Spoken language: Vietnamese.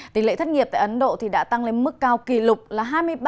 tỷ lệ thất nghiệp tại ấn độ đã tăng lên mức cao kỷ lục là hai mươi ba